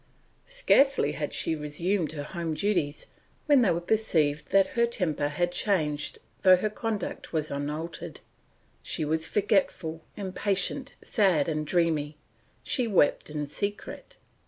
Scarcely had she resumed her home duties when they perceived that her temper had changed though her conduct was unaltered, she was forgetful, impatient, sad, and dreamy; she wept in secret.